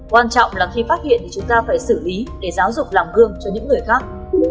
quan trọng là khi phát hiện thì chúng ta phải xử lý để giáo dục lòng gương cho những người khác